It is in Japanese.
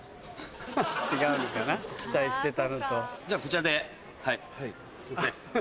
じゃこちらではいすいません。